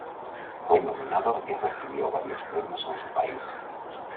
Fue nominado y recibió varios premios en su país.